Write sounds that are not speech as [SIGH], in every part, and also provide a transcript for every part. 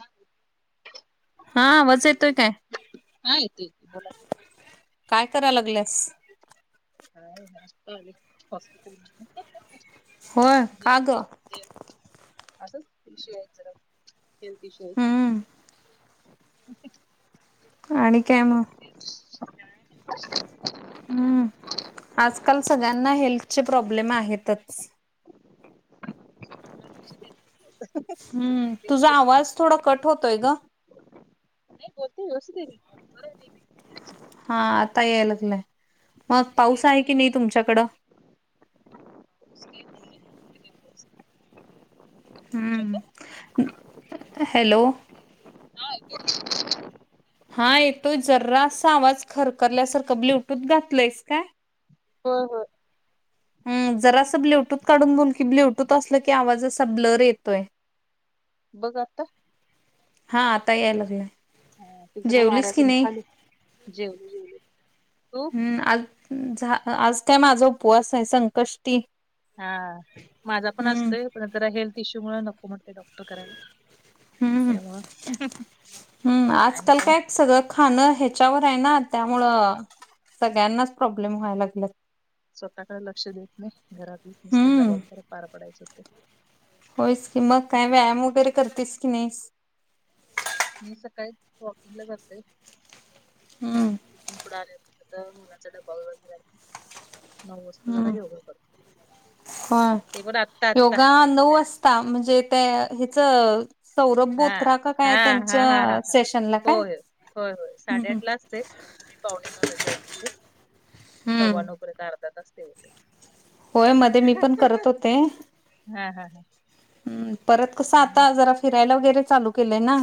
हा हा आवाज येतोय काय? हा येतोय बोला की. काय कराय लागल्यास? काय नाही आता आलोय हॉस्पिटल मधन होय का ग? जेवलंय. [UNINTELLIGIBLE] असच विषय आहेत जरा. हेल्थ इश्यू हम्म आहेत. [INAUDIBLE] आणि काय मग? काय नाई. हम्म आजकाल सगळ्यांना हेल्थचे प्रॉब्लेम आहेतच. [UNINTELLIGIBLE] हम्म लेडीज तुझा आवाज दुसऱ्यांच थोडा कट होतोय ग. नाही बोलते. व्यवस्थित येते की. [UNINTELLIGIBLE] हा आता याय लागलाय. मग पाऊस रेंज आहे की मध्ये नाही तुमच्याकडं? [UNINTELLIGIBLE] तुमच्याकडं? हम्म. हॅलो. हा [UNINTELLIGIBLE] हा येतोय, जरासा आवाज खरखरल्यासारखं, ब्लुटूथ घातलंयस का? होय होय. हम्म, जरा असं ब्ल्यूटूथ काढून बोलल की, ब्ल्यूटूथ असलं की, आवाज असा ब्लर येतोय. बघ आता हां, आता याय लागलाय. हा, ते जरा जेवलीस की वाऱ्याचं मी नाही? खाली, जेवण जेवली तू? हम्म, आग झा, अ-आज काय माझा उपवास ये, संकष्टी. हा, माझा पण हम्म असतोय, पण जरा हेल्थ इश्यू मुळ, नको म्हणतेय डॉक्टर करायला. हम्म त्यामुळं हम्म, आजकाल काय सगळं खाणं ह्याच्यावर हाय ना आता, त्यामुळं सगळ्यानाच प्रॉब्लेम व्हाय लागल्यात. स्वतःकड लक्ष देत नाही, घरातलीच नुसत हम्म जबाबदारीे पार पडायचे ते. होयच की, मग काही व्यायाम वगैरे, करतेस की नाहीस? मी सकाळी वॉकिंगला जाते. हम्म. आणि तिथून पुढे आले, आता मुलांचा डब्बा वगैरे करायचा. नऊ वाजता, जरा हम्म योगा करतो, ते पण आत्ता- आत्ता पण नऊ वाज ता, म्हणजे त्या हिच हा, हा, हा, हा, हा, सेशनला काय होय, होय, होय साडेआठ लाच होते, पण मी पावणे नऊला जॉइन होते, हम्म सव्वा नऊपर्यंत आ [UNINTELLIGIBLE] ठेवते. होय, मध्ये मी पण करत होते. हा हा हा हा हा हम्, परत कसं आता, जरा फिरायला वगैरे चालू केलंय ना,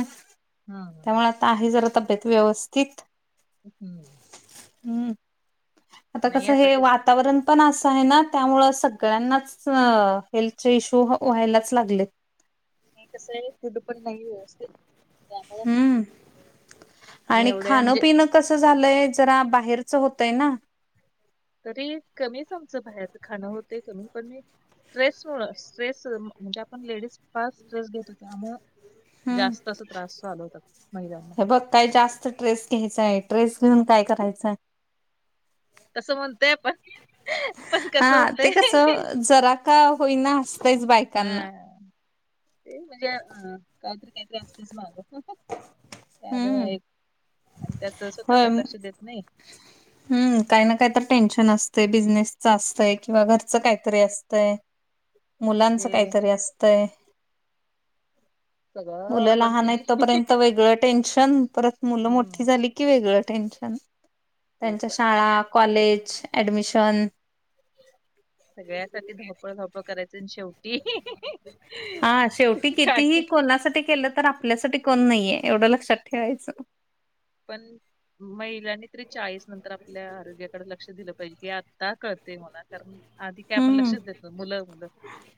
हम्म त्यामुळे आहे जरा तब्येत व्यवस्थित. हम्म हम्म. हम्म, आता नाही कसं, हे तेच वातावरण पण असं हाय ना, त्यामुळे सगळ्यांनाच, हेल्थचे इश्यू व्ह-व्हायलाच, लागलेत. नही कसं ये, फूड पण नाही व्यवस्थित त्यामुळ हम्म आणि एवढ्या खाणं म्हणजे पिणं कसं झालंय, जरा बाहेरचं होतंय ना तरी कमीच आमचं बाहेरच खाणं होतय, कमी पण स्ट्रेसमुळ, स्ट्रेस म्हणजे आपण लेडीज, फार स्ट्रेस घेतो, त्यामुळ हम्म जास्त अस त्रास चालू होतात, महिलांना. हे बघ काय जास्त स्ट्रेस तेच आहे, स्ट्रेस घेऊन काय करायचा? तसं म्हणतो आपण हां, ते कस, जरा का होईना, असतयच बायकांना. हा ते म्हणजे, काहीतरी-काहीतरी असतेच माग. हम्म. त्यामुळे एक आणि त्यात होय स्वतःकड लक्ष देत नही. [INAUDIBLE] हम्म, काही ना काही तर, टेन्शन असतंय, बिझनेसच असतय किंवा घरचं काहीतरी असतंय. मुलांचं ते काहीतरी असतय. सगळं आपण लहान कि आहेत नही, तोपर्यंत हिहीही वेगळं टेन्शन, परत मुलं मोठी झाली की वेगळं टेन्शन. ते त्यांच्या पण आहे शाळा, आणि कॉलेज ऍडमिशन सगळ्यासाठी धावपळ धावपळ करायचं अन शेवटी हि हा शेवटी कितीही काय कोणासाठी केलं तर आप आपल्यासाठी कोण नाहीये एवढं लक्षात ठेवायचं. पण महिलांनी तरी चाळीस नंतर आपल्या आरोग्याकडे लक्ष दिलं पाहिजे की आता कळतयं मला तर आधी काय आपण हम्म लक्षच देतो नव्हतो मुलं मुलं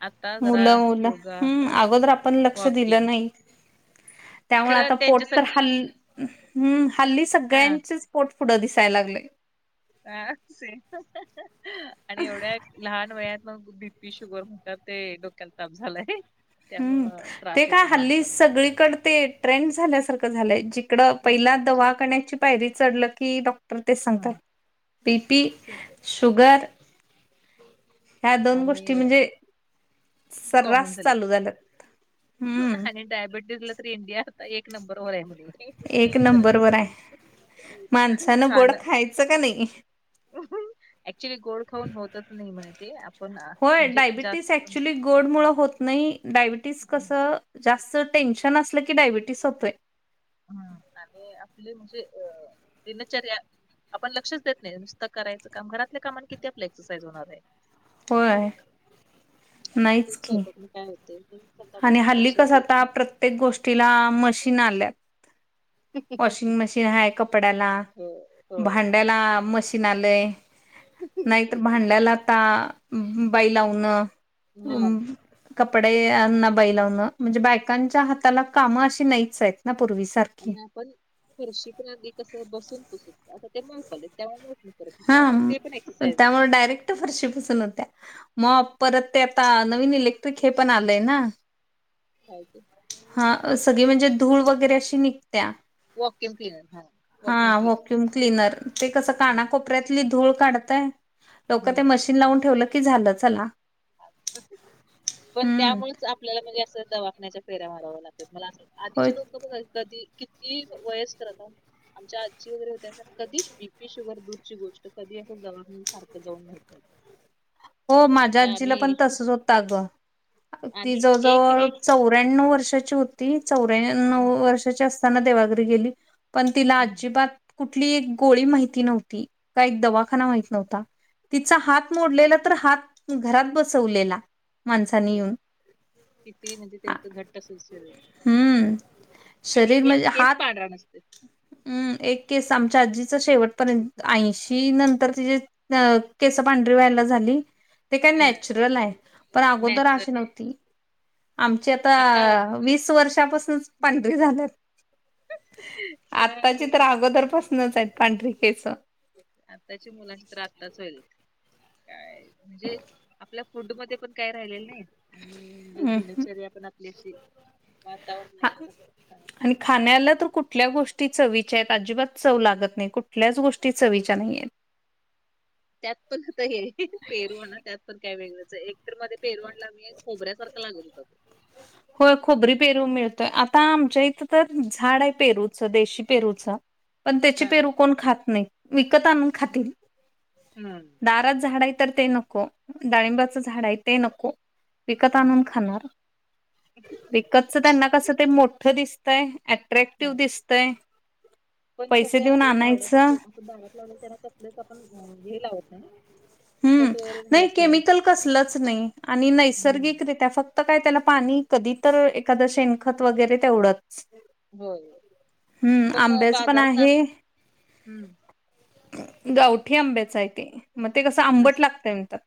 आता जरा मुलं मुलं योगा, हम्म अगोदर आपण वॉकिंग त्यामुळं खरं आता पोट तर त्यांच्यासाठी हल हम्म हल्ली हा सगळ्यांचेच पोट पुढं दिसायला लागलयं. हा सेम आणि एवढ्या लहान वयात मग बीपी शुगर म्हणतात ते डोक्यात ताप झालाय. हम्म त्यामुळं ते त्रास काय होतोय हल्ली माणसाला सगळीकडं ते ट्रेंड झाल्यासारखं झालंय जिकडं ट्रेंड पहिला म्हणजे दवाखाण्याची पायरी चढलं की डॉ टर तेच सांगतात हम्म, बी पी, सगळं शुगर ह्या दोन गोष्टी आणि म्हणजे कॉमन सर्रास झालेत चालू झाल्यात हम्म आणि डायबिटीजला तरी इंडियात एक नंबर होराया मध्ये एक नंबर वर हायं माणसानं गोड खाणं खायचं का नाही? ऍक्च्युली गोड खाऊन होतच नाही म्हणे ते आपण होय म्हणजे डायबिटीस जास्त ऍक्च्युली गोड मुळ होत नाही डायबिटीस हम्म कसं जास्त टेन्शन असलं की डायबिटीस होतोयं. हम्म आणि आपले म्हणजे अ दिनचर्या आपण लक्षच देत नाही नुसतं करायचं काम घरातल्या कामान किती आपल एक्सरसाईज होणारय? नाही होय होत नाहीच [UNINTELLIGIBLE] की स्वयंपाकन काय होतयं? आणि हल्ली कसं आता प्रत्येक गोष्टीला मशीन आल्यात. नाही. वॉशिंग मशीन हायं कपड्याला, हो हो भांड ड्याला मशीन आलयं नाहीतर भांड्याला आता बाई लावनं हा हम्म. कपडे यांना बाई लावणं म्हणजे बायकांच्या हाताला कामं अशी नाहीच आहेत ना पूर्वीसार आणि आपण फरशी पण अगदी कसं बसून पुसत हुतो आता ते माप आले त्यामुळे. नाही करत त्यामुळे ते पण हां एक्सरसाइज नाही. त्यामुळे डायरेक्ट फरशी पुसून हुत्या मॉप हा परत ते आता नवीन इलेक्ट्रिक हे पण आलंय ना. काय की. हा सगळी म्हणजे धूळ वगैरे अशी निघत्या. वॉक्युम क्लिनर हा वॉक्युम हा क्लिनर व्हाँक्युम क्लीनर ते कसं काना हम्म को कोपऱ्यातली धूळ काढतायं लोकं ते हम्म. मशीन लावून ठेवलं की झालं चला. पण हम्म त्यामुळेच आपल्याला म्हणजे असं दवाखान्याच्या फेऱ्या माराव्या लाग मला अस वा होय आधीची लोक बघा कधी किती वयस्कर आता आमच्या आजी वगैरे होत्या कधीच बीपी शुगर दूरची गोष्ट कधी असं दवाखान्यात सारखं जाऊन माहीत नाहीत. हो माझ्या आजीला पण तसचं होतं अगं. ती आणि एक जवळजवळ ही चौऱ्याण्णव वर्षाची होती चौऱन [INAUDIBLE] वर्षाची असताना देवाघरी गेली पण तिला हम्म, अजिबात कुठली एक गोळी माहिती नव्हती का एक दवाखाना माहीत नव्हता तिचा हात मोडलेला तर हात घरात बसवलेला. माणसानी बघा येऊन किती म्हणजे त्यांच घट्ट असल शरीर हम्म आणि शरीर एक म्हणजे हात केस पांढरा नसतोय हम्म एक केस आमच्या आजीचा शेवटपर्यंत आऐंशी कि नंतर तिजे अ केसं पांढरी व्हायला झाली ते काय हा नॅचरल हायं पण अगोदर अशी नॅचरल नव्हती आमची आता वीस वर्षापासूनच पांढरी झाल्यात ह आतांची तर अगोदरपासनच आहेत पांढरी केसं आत्ताच्या मुलांची तर आत्ताच व्हायल्यात काय म्हणजे आपल्या फूड मध्ये पण काय राहिलेलं नाही आणि म्हणजे हम्म हम्म. दिनचर्या पण आपली अशी वातावरण हा नाहीच आणि खाण्याला तर कुठल्या गोष्टी चवीच्या आहेत अजिबात चव लागत नाही कुठल्याच गोष्टी चवीच्या नाहीयेत त्यात पण आता हे पेरू ये ना त्यात पण काय वेगळंचं ये एक तर मध्येे पेरू आनटला मी एक खोऱ्यासारखा लागत होता तो होय खोबरी पेरू मिळतोय आता आमच्या इथं तर झाड आहे पेरूचं देशी पेरूचं पण त्याची हा पेरू कोण खात नाहीत विकत आनून खातील हम्म दारात झाड आहे तर ते नको डाळिंबाचं झाड आहे ते नको विकत आणनून खाणार हह विकतच त्यांना कसं ते मोठं दिसतय अट्रॅक्टिव हम् दिसतय पैसे देऊन आणायचं बाारात लाव त्याना कसलंच आपण हे लावत नाही ना हम्म नाही केमिकल कसलंच नाही आणि हम्म नैसर्गिकरित्या फक्त फक्त काय त्याला पाणी कधी तर एखाद शेणखत वगैरे तेवढंच होय होय. हम्म अं, आंब्याच पण बाजारात ना आहे हम्म गावठी आंब्याचा आहे ते मग ते कसं आंबट अस लागतय म्हणतात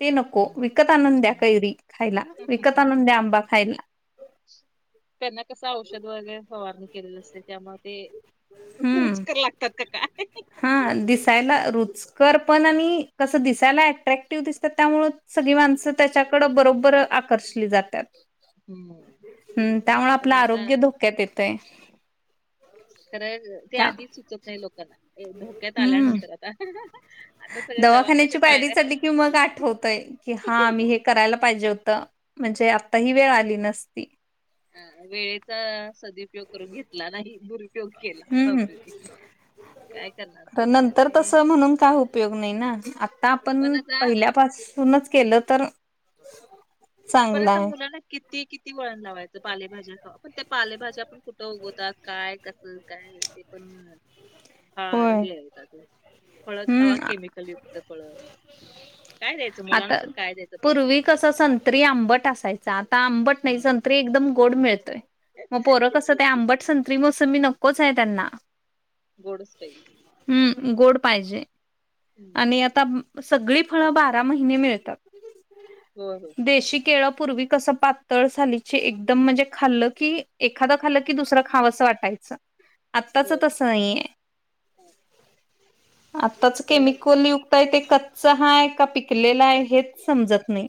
ते नको हम्म विकत आनून द्या कैरी खायला हम्म. विकत आनून द्या आंबा खायला त्यांना कस औषध वगैरे फवारणी केलेलं असते त्यामुळे ते हम्म रुचकर लागतात का काय हा दिसायला रुच रुचकुर पण आणि कस दिसायला अट्रॅक्टिव दिसतात त्यामुळे सगळी माणसं त्याच्याकड बरोबर [INAUDIBLE] जातात हम्म. हम् त्यामुळे पण आपलं आता आरोग्य धोक्यात येतय खर ते आधीच सुचत नाही लोकांना धोक्यात हम्म आल्यानंतर आता हहह दवाखान्याची पायरी चढली की मग आठवतय की हा आम्ही हे करायला पाहिजे होतं म्हणजे आता ही वेळ आली नसती अ वेळेचा सदउपयोग करून घेतला नाही भुर उपयोग केला अस हम्म होतय ते काय करणार तर नंतर काय तसं म्हणून काय होत उपयोग नाही ना आता पण आपण आता पहिल्यापासूनच केलं तर पण चांगलं आता आहे मुलांना किती किती वळण लावायचं पालेभाज्या खावा पण त्या पालेभाज्या पण कुठं उगवतात काय कसं काय ते पण फार होय. हे आहेता ते फळ खावा हम्म केमिकल युक्त फळ काय द्यायचं मुलांना तर काय द्यायचं पौष्टिक आधी संत्री आंबट असायचा आता आंबट नाही हम्म संत्री एकदम गोड मिळतोय म पोर कसं ते आंबट संत्री, मोसंबी नकोच आहे त्यांना. गोड असते. हम्म, गोड पाहिजे. हम्म, आणि आता सगळी फळ बारा महिने मिळतात. होय, होय. देशी केळं पूर्वी कसं पातळं सालीची एकदम म्हणजे खाल्ल की एख एखादं खाल्लं की दुसरं खावं असं वाटायचा, आत्ताच होय तसं नाहीे ये. हा. आत्ताच त्याला केमिकल युक्त आहे, ते कच्च हाय का पिकलेला आहे हेच समजत नाही.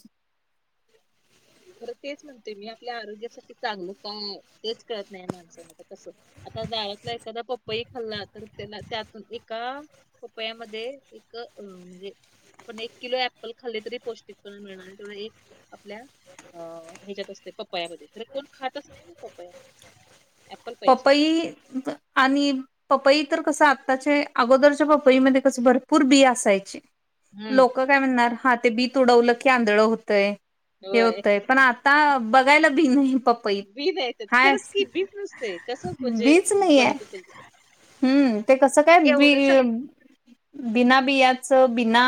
खरं तेच म्हणतेय मी आपल्या आरोग्यासाठी चांगलं काय, तेच कळत नाही माणसना त कसं आता दारातला एखाद्या पपई खाल्ला तर त्याला त्यातून एका पपया्यामध्ये एक अ म्हणजे आपण एक किलो ऍपल खाल्ले तरी पौष्टिकपणा मिळणार ये तेवढा एक आपल्या अ ह्याच्यात असतंय पपयामध्ये, तरी कोण खातच नाही ना पपया. ऍप्पल पाहिजे पपई आणि पपई तर कसं आत्ताचे, अगोदरच्या पपईमध्ये कसं भरपूर बी असायचे. हम्म लोकं काय म्हणणार हा ते बी तुडवलं की आंधळ होतयं हे होय होतय, पण आता बघायला बी नाही पपई. बी नाही येतात खरंच हायेस् की बीच नसते कसं म्हणजे बीच नाहीये. बनत असेल ते. हम्म ते कसं काय बी एवढं सगळं अं बिना बियाचं, बिना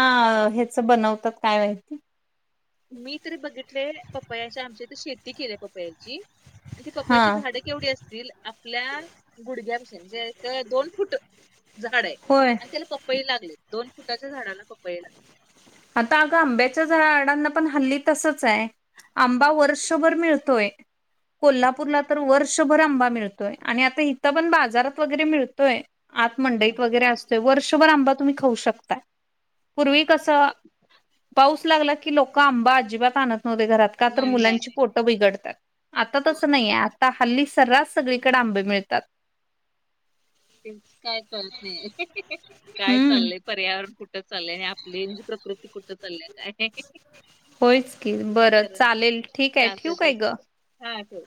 ह्याच बनवतात काय माहिती? मी तरी बघितलेय पपयाच्या आमच्या इथ शेती केल्या पपयाची, आणि ती पपयाची हा. झाडे केवढी असतील? आपल्या गुडघ्यापेक्षा म्हणजे एक, दोन फुट झाड हाय. होय आणि त्याला पपई लागलीत, दोन फुटाच्या झाडाला पपई लागलेत. आता अगं आंब्याच्या झाडांना पण हल्ली तसंच आहे. आंबा वर्षभर मिळतोय. कोल्हापूरला तर वर्षभर आंबा मिळतोय, आणि आता इथं पण बाजारात वगैरे मिळतोय. आत मंडईत वगैरे असतोय, वर्षभर आंबा तुम्ही खाऊ शकताय, पूर्वी कसं पाऊस लागला की लोक आंबा अजिबात आणत नव्हते घरात, का तर नाही नाही मुलांची नाही पोट बिघडतात, आता हो, तसं नाहीये आता हल्ली सर्रास सगळीकडे आंबे मिळतात. तेच काय कळत नाहीये, काय हम्म चाललंय पर्यावरण कुठं चालंय, आपली हेची प्रकृती कुठ चाल्यात हे, हे, हं होयच की काय बरं खरं चालेल नाही, ठीक आहे चालतेय ठेवू काय चल ग हा ठेव.